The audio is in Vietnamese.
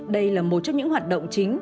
đây là một trong những hoạt động chính